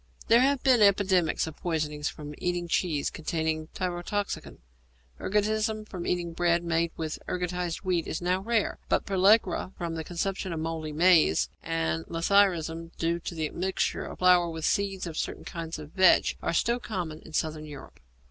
There have been epidemics of poisoning from eating cheese containing tyrotoxicon. Ergotism from eating bread made with ergotized wheat is now rare, but pellagra from the consumption of mouldy maize, and lathyrism, due to the admixture with flour of the seeds of certain kinds of vetch, are still common in Southern Europe.